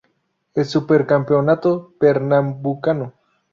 El Super Campeonato Pernambucano.